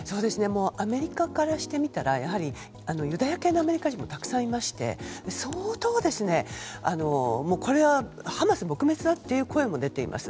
アメリカからしてみたらユダヤ系のアメリカ人もたくさんいまして、相当、これはハマス撲滅だという声も出ています。